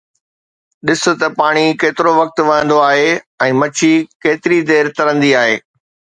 ڏس ته پاڻي ڪيترو وقت وهندو آهي ۽ مڇي ڪيتري دير ترندي آهي.